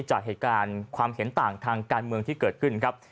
จากเหตุการณ์ความเห็นต่างทางการเมืองที่เกิดขึ้นครับ